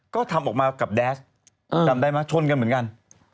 ก็ทำออกมากับแด๊สชนกันเหมือนกัน